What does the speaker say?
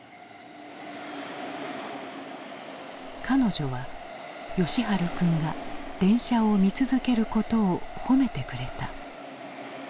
彼女は喜春君が電車を見続けることを褒めてくれた。